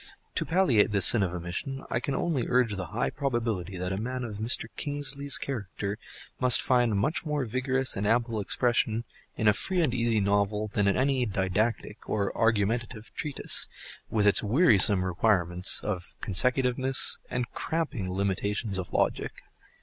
To palliate this sin of omission I can only urge the high probability that a man of Mr. Kingsley's character must find much more vigorous and ample expression in a free and easy novel than in any didactic or argumentative treatise, with its wearisome requirements of consecutiveness and cramping limitations of logic.